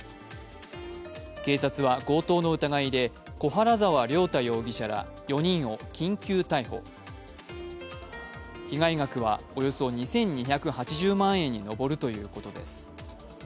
警察は、強盗の疑いで小原澤亮太容疑者ら４人を緊急逮捕被害額はおよそ２２８０万円に上るということです。